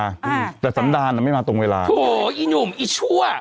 ตรงเวลาอืมแต่สันดาลมันไม่มาตรงเวลาโอ้โหอีหนุ่มอีชั่ว